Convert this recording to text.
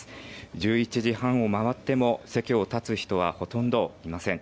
１１時半を回っても、席を立つ人はほとんどいません。